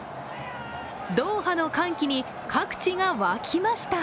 ドーハの歓喜に各地がわきました。